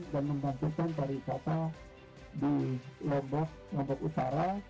dan membangkitkan pariwisata di lombok lombok utara